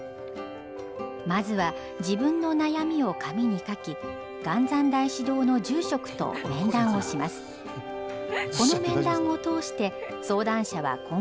まずは自分の悩みを紙に書き元三大師堂の住職と面談をします。